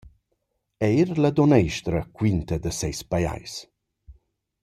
Eir la duonna estra quinta da seis pajais.